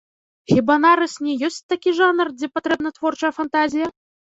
Хіба нарыс не ёсць такі жанр, дзе патрэбна творчая фантазія?